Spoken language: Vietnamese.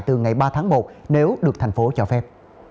từ ngày ba tháng một nếu được tp hcm cho phép